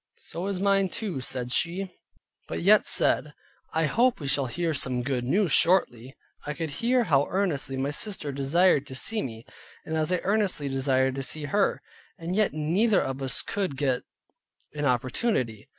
"So is mine too," said she, but yet said, "I hope we shall hear some good news shortly." I could hear how earnestly my sister desired to see me, and I as earnestly desired to see her; and yet neither of us could get an opportunity.